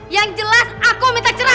yang jelas aku minta cerah